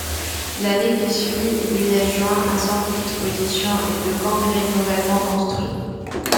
L'année qui suit, il lui adjoint un centre d'exposition et de congrès nouvellement construit.